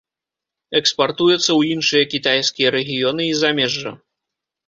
Экспартуецца ў іншыя кітайская рэгіёны і замежжа.